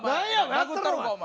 殴ったろかお前。